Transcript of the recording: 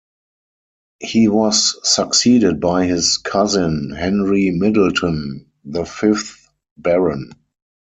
He was succeeded by his cousin Henry Middleton, the fifth Baron.